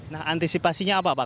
nah antisipasinya apa pak